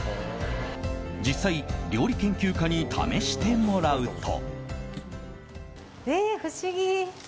実際、料理研究家に試してもらうと。